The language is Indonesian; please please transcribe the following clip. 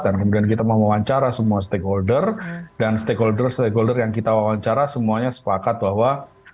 dan kemudian kita mau wawancara semua stakeholder dan stakeholder stakeholder yang kita wawancara semuanya sepakat bahwa